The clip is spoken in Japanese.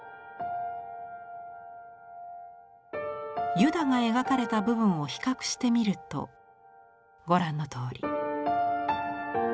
ユダが描かれた部分を比較してみるとご覧のとおり。